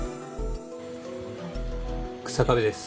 日下部です